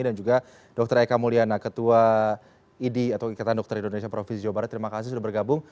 dan juga dr eka mulyana ketua idi atau ikatan dokter indonesia provinsi jawa barat terima kasih sudah bergabung